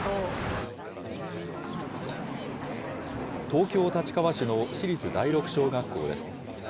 東京・立川市の市立第六小学校です。